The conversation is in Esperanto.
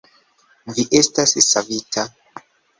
Vi estas savita!